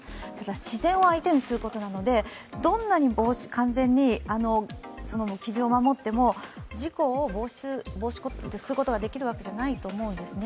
自然を相手にすることなのでどんなに完全に基準を守っても事故を防止することができるわけじゃないと思うんですね。